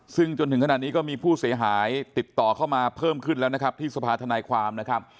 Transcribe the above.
ซึ่งจนถึงขณะนี้ก็มีผู้เสียหายติดต่อเข้ามาเพิ่มขึ้นแล้วนะครับที่สภาธนายความนะครับ